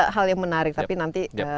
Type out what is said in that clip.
hal yang menarik tapi nanti